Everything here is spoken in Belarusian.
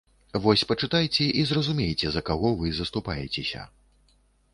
Вось пачытайце, і зразумееце, за каго вы заступаецеся.